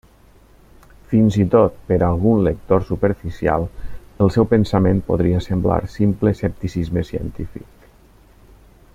Fins i tot, per algun lector superficial, el seu pensament podria semblar simple escepticisme científic.